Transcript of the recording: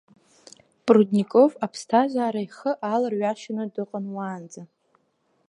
Прудников аԥсҭазаара ихы аларҩашьаны дыҟан уаанӡа.